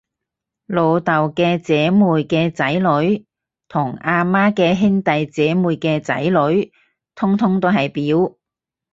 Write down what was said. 老豆嘅姐妹嘅仔女，同阿媽嘅兄弟姐妹嘅仔女，通通都係表